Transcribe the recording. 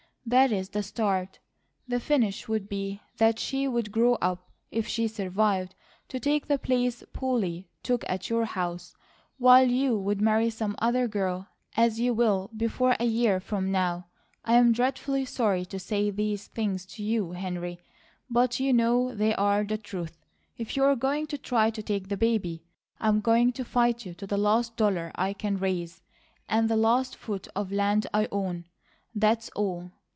That is the start. The finish would be that she would grow up, if she survived, to take the place Polly took at your house, while you would marry some other girl, as you WILL before a year from now. I'm dreadfully sorry to say these things to you, Henry, but you know they are the truth. If you're going to try to take the baby, I'm going to fight you to the last dollar I can raise, and the last foot of land I own. That's all.